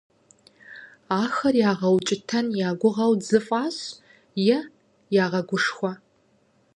Ахэр ягъэукӀытэн я гугъэу дзы фӀащ е ягъэгушхуэ.